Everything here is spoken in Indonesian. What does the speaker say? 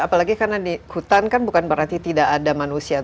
apalagi karena di hutan kan bukan berarti tidak ada manusia